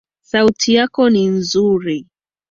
Sauti yako ni nzuri